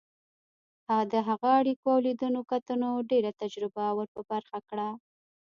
د هغه اړیکو او لیدنو کتنو ډېره تجربه ور په برخه کړه.